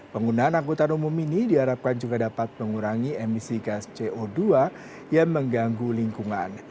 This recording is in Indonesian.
penggunaan angkutan umum ini diharapkan juga dapat mengurangi emisi gas co dua yang mengganggu lingkungan